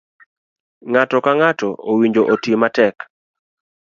ng'ato ka ng'ato owinjo oti matek.